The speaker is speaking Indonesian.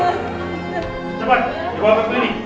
cepat dibawa ke klinik